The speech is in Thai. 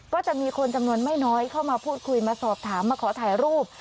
ก็จะมีคนจำนวนไม่น้อยเข้ามาพูดคุยมาสอบถามมาขอถ่ายรูป